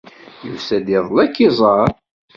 Yusa-d iḍelli ad k-iẓer.